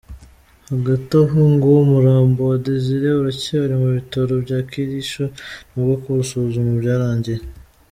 Hagati aho ngo umurambo wa Desire uracyari mu bitaro bya Kericho nubwo kuwusuzuma byarangiye.